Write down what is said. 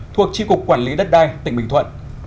thuộc tri cục quản lý đất đai tỉnh bình thuận